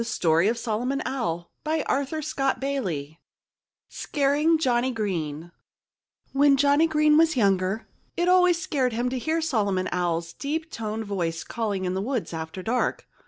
Said Solomon The Tale of Solomon Owl I Scaring Johnny Green When Johnnie Green was younger, it always scared him to hear Solomon Owl's deep toned voice calling in the woods after dark.